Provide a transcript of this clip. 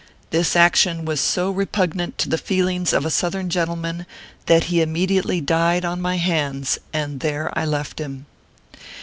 This action was so repugnant to the feelings of a Southern gentleman, that he immediately died on my hands ; and there I left him.